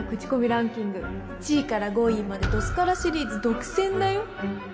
ランキング１位から５位までどすからシリーズ独占だよ！